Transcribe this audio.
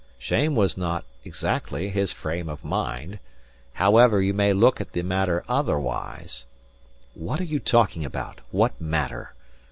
Shame was not exactly his frame of mind. However, you may look at the matter otherwise " "What are you talking about? What matter?"